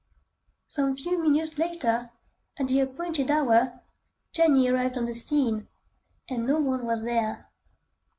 Some few minutes later, at the appointed hour, Jenny arrived on the scene, and no one was there.